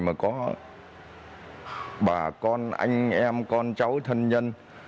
mà có bà con anh em con cháu thân nhân